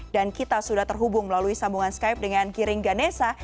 dan kita sudah terhubung melalui sambungan skype dengan giring ganesa